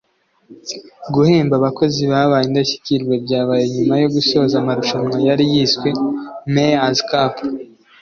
Guhemba abakozi babaye indashyikirwa byabaye nyuma yo gusoza amarushanwa yari yiswe “Mayor’s Cup”